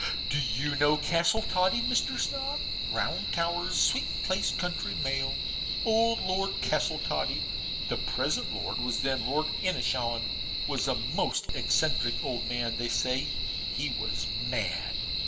Do you know Castletoddy, Mr. Snob? round towers sweet place County Mayo. Old Lord Castletoddy (the present Lord was then Lord Inishowan) was a most eccentric old man they say he was mad.